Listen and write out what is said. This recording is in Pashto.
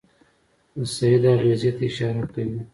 د سید اغېزې ته اشاره کوي.